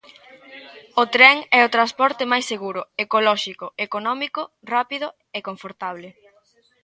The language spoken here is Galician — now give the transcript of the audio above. O tren é o transporte máis seguro, ecolóxico, económico, rápido e confortable.